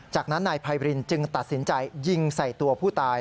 จากนั้นนายไพรินจึงตัดสินใจยิงใส่ตัวผู้ตาย